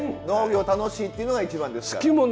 農業楽しいっていうのが一番ですから。